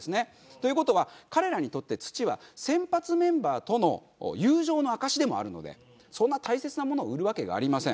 という事は彼らにとって土は先発メンバーとの友情の証しでもあるのでそんな大切なものを売るわけがありません。